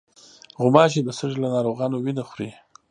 غوماشې د سږي له ناروغانو وینه خوري.